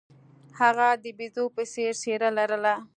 هغه د بیزو په څیر څیره لرله.